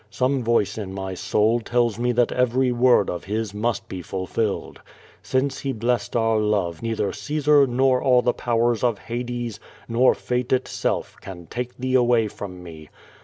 Some voice in my soul tells me that every word of his must be fulfilled. Since he blessed our love neither Caesar nor all the powers of Hades, nor fate itself, can take thee away from mc.